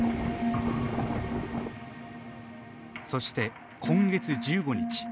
そして、今月１５日。